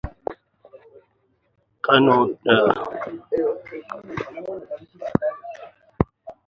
The Algonquin State Forest is located within the town.